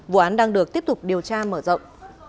vụ án đang được tiếp tục điều tra mở rộng